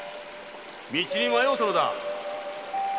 道に迷うたのだ